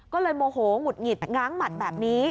ก็เลยโมโหหงุดหงิดง้างหมัดแบบนี้